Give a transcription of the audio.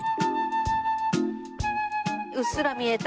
うっすら見えた。